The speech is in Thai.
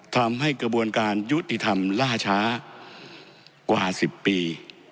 ทำให้กระบวนการยุติธรรมล่าช้ากว่า๑๐ปี